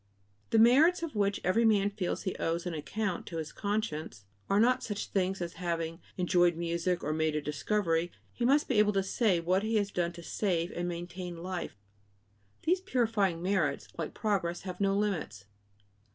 The merits of which every man feels he owes an account to his conscience are not such things as having enjoyed music or made a discovery; he must be able to say what he has done to save and maintain life. These purifying merits, like progress, have no limits.